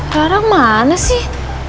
rara mana sih